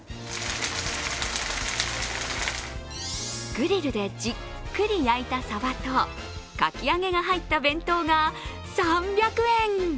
グリルでじっくり焼いたさばとかき揚げが入った弁当が３００円。